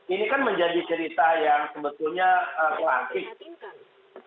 ini kan menjadi cerita yang sebetulnya cantik